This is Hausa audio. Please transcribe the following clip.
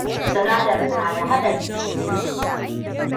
Sinadarin na da haɗari sosai.